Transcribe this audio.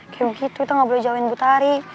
kayak begitu kita gak boleh jauhin butari